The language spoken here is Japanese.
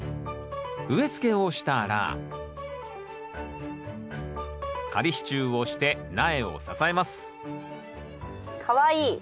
植えつけをしたら仮支柱をして苗を支えますかわいい。